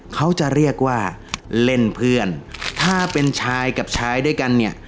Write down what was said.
เขาจะเรียกว่าเล่นเพื่อนถ้าเป็นชายกับชายด้วยกันเนี่ย